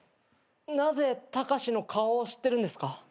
なぜタカシの顔を知ってるんですか？